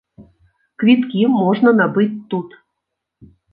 Квіткі можна набыць тут.